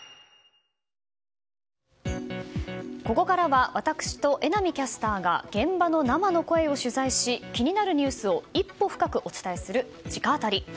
ここからは私と榎並キャスターが現場の生の声を取材し気になるニュースを一歩深くお伝えする直アタリ。